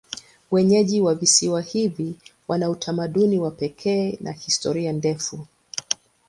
Wenyeji wa visiwa hivi wana utamaduni wa pekee na historia ndefu.